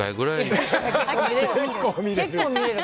結構見れる。